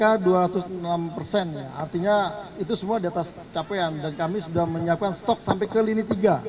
artinya itu semua di atas capaian dan kami sudah menyiapkan stok sampai ke lini tiga